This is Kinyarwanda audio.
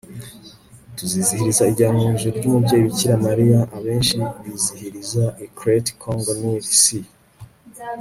tuzizihiza ijyanwa mu ijuru ry'umubyeyi bikira mariya, abenshi bizihiriza i crête congo-nil, si